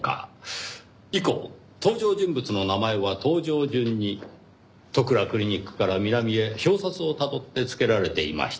以降登場人物の名前は登場順に戸倉クリニックから南へ表札をたどって付けられていました。